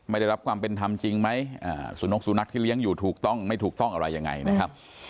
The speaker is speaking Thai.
ไม่ได้รับความเป็นธรรมจริงไหมสุนกสุนัขที่เลี้ยงอยู่ถูกต้องไม่ถูกต้องอะไรยังไงนะครับ